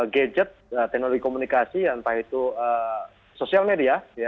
gadget teknologi komunikasi entah itu sosial media